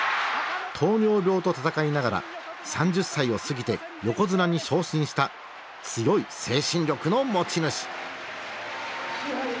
糖尿病と闘いながら３０歳を過ぎて横綱に昇進した強い精神力の持ち主。